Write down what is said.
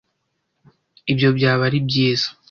Ibyo byaba ari byiza.